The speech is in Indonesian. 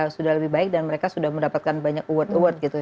sudah lebih baik dan mereka sudah mendapatkan banyak award award gitu